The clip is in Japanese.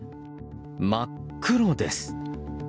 真っ黒です。